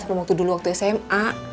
sebelum waktu dulu waktu sma